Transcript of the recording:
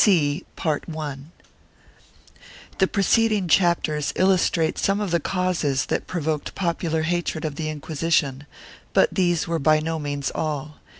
POPULAR HOSTILITY THE preceding chapters illustrate some of the causes that provoked popular hatred of the Inquisition, but these were by no means all.